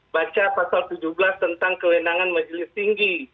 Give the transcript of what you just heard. baca pasal tujuh belas tentang kewenangan majelis tinggi